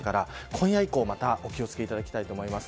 今夜以降、またお気を付けいただきたいと思います。